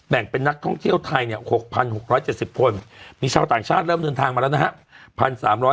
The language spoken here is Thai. เป็นนักท่องเที่ยวไทยเนี่ย๖๖๗๐คนมีชาวต่างชาติเริ่มเดินทางมาแล้วนะครับ